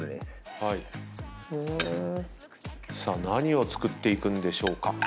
何を作っていくんでしょうか？